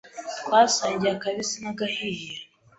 twasangiye akabisi n’agahiye.